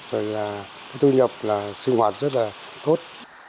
rồi là cái thu nhập là sinh hoạt rất là tốt